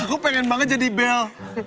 aku pengen banget jadi bel